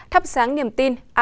thắp sáng niềm tin